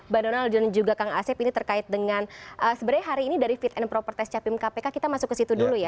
bang donald dan juga kang asep ini terkait dengan sebenarnya hari ini dari fit and proper test capim kpk kita masuk ke situ dulu ya